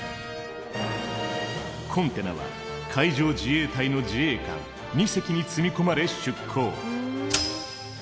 コンテナは海上自衛隊の自衛艦２隻に積み込まれ出港。